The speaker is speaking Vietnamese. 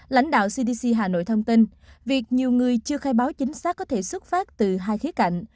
lãnh đạo cdc hà nội thông tin việc nhiều người chưa khai báo chính xác có thể xuất phát từ hai khía cạnh